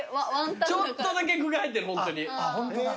ちょっとだけ具が入ってるホントに。